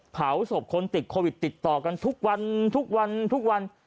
เผาศพคนติดโควิดติดต่อกันทุกวันทุกวันทุกวัน